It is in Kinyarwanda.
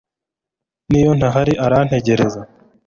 niyontahari, arantegereza